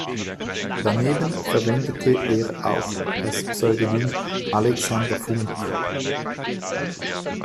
Daneben verwendete er auch das Pseudonym Alexander Funk.